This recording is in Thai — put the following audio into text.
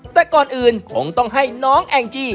แต่ก่อนอื่นคงต้องให้น้องแองจี้